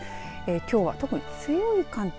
きょうは特に強い寒気